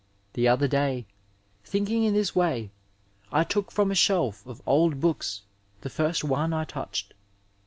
The other day, thinking in this way, I took from a shelf of old books the first one I touched.